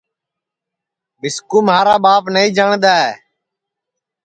مِسکُو مھارا ٻاپ نائی جاٹؔ دؔے